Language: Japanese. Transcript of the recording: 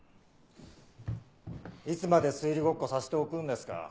いつまで推理ごっこさせておくんですか？